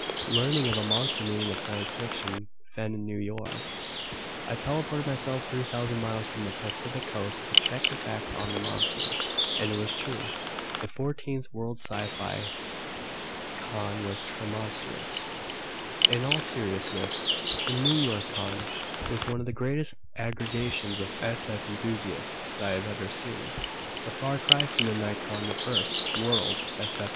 Learning of a monster meeting of science fiction "fen" in New York, I teleported myself 3,000 miles from the Pacificoast to check the facts on the monsters. And it was true the 14th World SciFi Con was tremonstrous. In all seriousness, the Newyorcon was one of the greatest aggregations of s.f. enthusiasts I have ever seen. A far cry from the Nycon, the first "world" s.f.